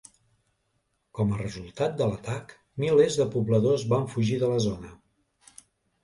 Com a resultat de l'atac, milers de pobladors van fugir de la zona.